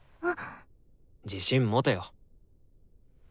自信持てよ。